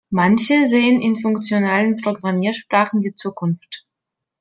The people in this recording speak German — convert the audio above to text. Manche sehen in funktionalen Programmiersprachen die Zukunft.